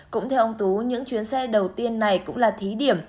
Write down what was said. cũng theo ông tú những chuyến xe đầu tiên này cũng là thí điểm